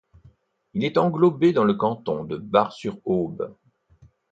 Il est englobé dans le canton de Bar-sur-Aube.